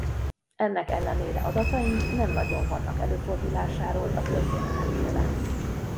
Ennek ellenére adataink nem nagyon vannak előfordulásáról a történelem során.